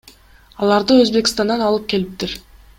Аларды Өзбекстандан алып келиптир.